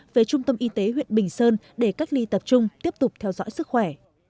về trung tâm y tế huyện bình sơn để cách ly tập trung tiếp tục theo dõi sức khỏe